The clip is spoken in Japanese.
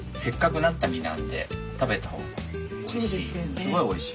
すごいおいしい。